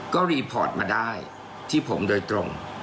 ก็รีพอร์ตมาได้ที่ผมโดยตรง